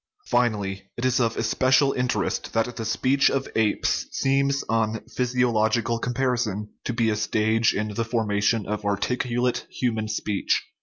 Finally, it is of especial interest that the speech of apes seems on physiological comparison to be a stage in the formation of articulate human speech.